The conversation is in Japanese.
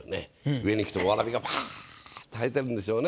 上に行くとわらびがぱっと生えてるんでしょうね。